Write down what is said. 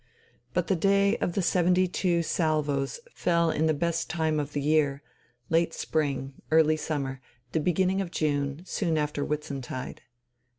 But the day of the seventy two salvos fell in the best time of the year, late spring, early summer, the beginning of June, soon after Whitsuntide.